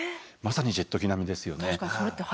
まさにジェット機並みですよね。